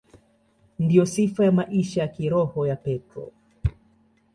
Ndiyo sifa ya maisha ya kiroho ya Petro.